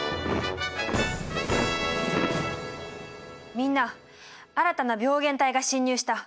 みんな新たな病原体が侵入した。